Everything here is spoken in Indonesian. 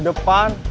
kita pulang dulu